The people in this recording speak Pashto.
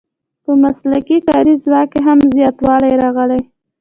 په مسلکي کاري ځواک کې هم زیاتوالی راغلی.